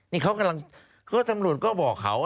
นี่เขากำลังก็ตำรวจก็บอกเขา